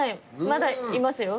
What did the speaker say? まだいますよ。